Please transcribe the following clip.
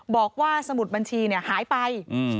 บอกว่าสมุดบัญชีหายไป